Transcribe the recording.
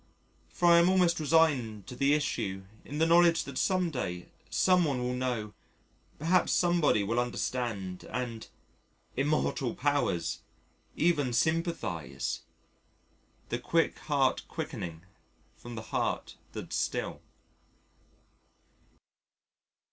For I am almost resigned to the issue in the knowledge that some day, someone will know, perhaps somebody will understand and immortal powers! even sympathise, "the quick heart quickening from the heart that's still."